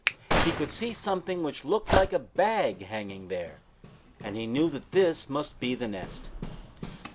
He could see something which looked like a bag hanging there, and he knew that this must be the nest.